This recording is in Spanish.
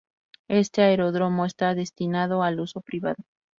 Este aeródromo está destinado al uso privado.